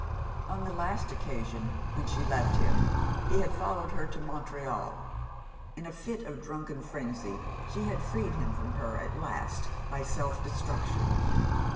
On the last occasion when she left him, he had followed her to Montreal. In a fit of drunken frenzy, she had freed him from her at last by self destruction.